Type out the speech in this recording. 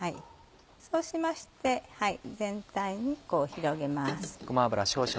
そうしまして全体にこう広げます。